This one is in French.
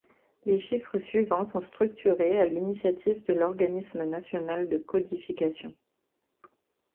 Les chiffres suivants sont structurés à l'initiative de l'organisme national de codification.